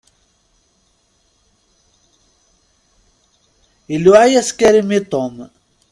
Iluɛa-yas Karim i Tom.